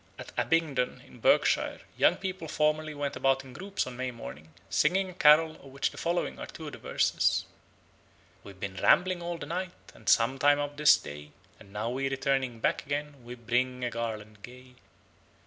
At Abingdon in Berkshire young people formerly went about in groups on May morning, singing a carol of which the following are two of the verses: "We've been rambling all the night, And sometime of this day; And now returning back again, We bring a garland gay.